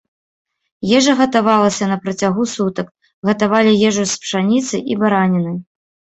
Ежа гатавалася на працягу сутак, гатавалі ежу з пшаніцы і бараніны.